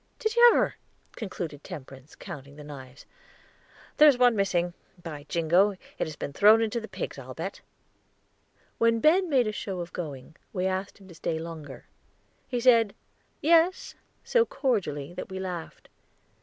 Did you ever?" concluded Temperance, counting the knives. "There's one missing. By jingo! it has been thrown to the pigs, I'll bet." When Ben made a show of going, we asked him to stay longer. He said "Yes," so cordially, that we laughed.